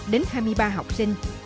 đến hai mươi ba học sinh